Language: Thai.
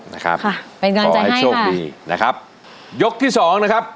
นะครับขอให้โชคดีนะครับเป็นการใจให้ค่ะยกที่สองนะครับ